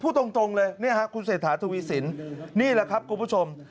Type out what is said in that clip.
พูดตรงเลยคุณเศษฐาธุวิสินนี่นะครับคุณผู้ชม